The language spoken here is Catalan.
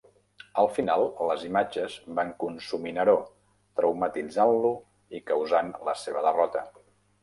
Al final, les imatges van consumir Neró, traumatitzant-lo i causant la seva derrota.